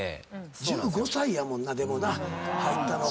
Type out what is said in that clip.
１５歳やもんなでもな入ったのが。